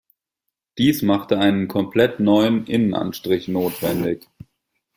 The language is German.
Dies machte einen komplett neuen Innenanstrich notwendig.